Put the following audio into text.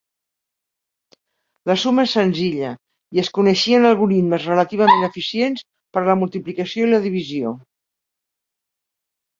La suma és senzilla i es coneixien algoritmes relativament eficients per a la multiplicació i la divisió.